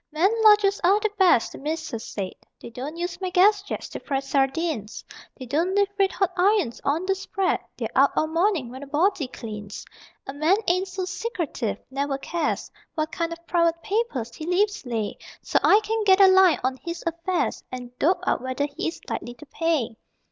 _ II Men lodgers are the best, the Mrs. said: They don't use my gas jets to fry sardines, They don't leave red hot irons on the spread, They're out all morning, when a body cleans. A man ain't so secretive, never cares What kind of private papers he leaves lay, So I can get a line on his affairs And dope out whether he is likely pay.